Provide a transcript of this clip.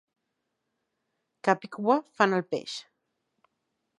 Cap i cua fan el peix.